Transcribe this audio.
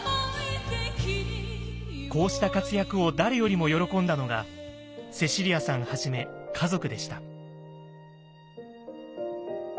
こうした活躍を誰よりも喜んだのがセシリアさんはじめ家族でした。